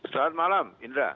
selamat malam indra